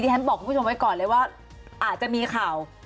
ฉันบอกคุณผู้ชมไว้ก่อนเลยว่าอาจจะมีข่าว